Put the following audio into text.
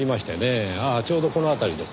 ああちょうどこの辺りです。